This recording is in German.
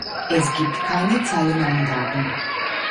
Es gibt keine Zahlenangaben.